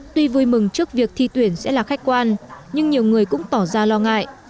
tuy vui mừng trước việc thi tuyển sẽ là khách quan nhưng nhiều người cũng tỏ ra lo ngại